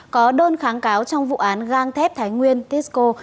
có đơn kháng cáo trong vụ án gang thép thái nguyên tisco